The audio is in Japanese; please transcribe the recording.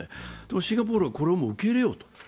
シンガポールはこれを受け入れようと。